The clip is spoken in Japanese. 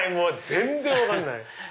全然分かんない！